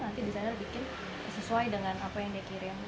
nanti desainer bikin sesuai dengan apa yang dia kirim